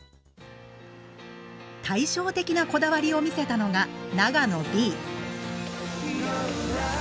対照的なこだわりを見せたのが長野Ｂ。